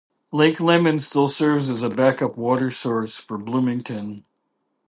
Lake Lemon still serves as a back-up water source for Bloomington.